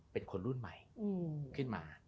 เป็นคนรุ่นใหม่ขึ้นมา